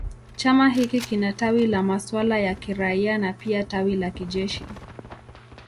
Chama hiki kina tawi la masuala ya kiraia na pia tawi la kijeshi.